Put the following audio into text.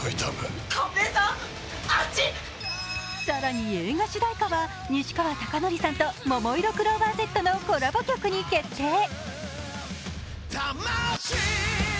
更に映画主題歌は西川貴教さんとももいろクローバーＺのコラボ曲に決定。